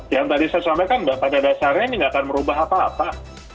yang tadi saya sampaikan mbak pada dasarnya ini nggak akan merubah apa apa